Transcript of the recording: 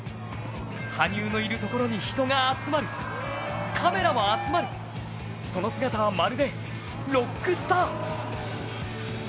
羽生のいるところに人が集まるカメラも集まる、その姿はまるでロックスター。